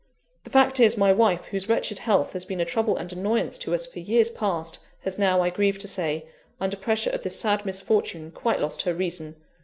The fact is, my wife, whose wretched health has been a trouble and annoyance to us for years past, has now, I grieve to say, under pressure of this sad misfortune, quite lost her reason.